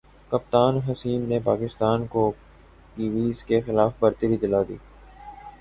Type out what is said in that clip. کپتان حسیم نے پاکستان کو کیویز کے خلاف برتری دلا دی